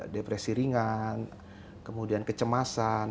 depresi ringan kemudian kecemasan